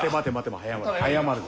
早まるな。